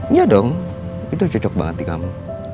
iya dong itu cocok banget di kamu